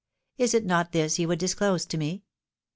Is it not this you would disclose to me